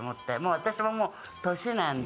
私ももう年なんで。